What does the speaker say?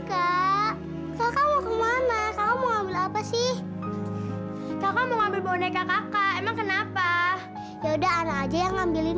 kau kakak semoga kakak cepat sembuh